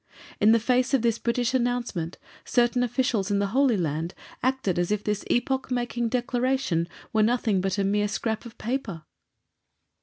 In the face of this British announcement, certain officials in the Holy Land acted as if this epoch making Declaration were nothing but a mere "scrap of paper."